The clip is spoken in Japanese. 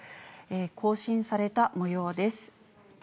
更新されたもようです。